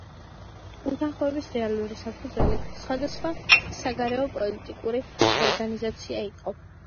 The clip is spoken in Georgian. უთანხმოების რეალური საფუძველი სხვადასხვა საგარეო პოლიტიკური ორიენტაცია იყო.